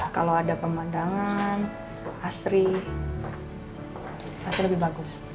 kalau ada pemandangan asri pasti lebih bagus